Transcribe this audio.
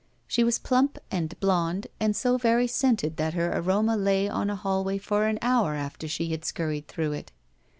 She was plump and blond, and so very scented that her aroma lay on a hallway for an hour after she had scurried through it.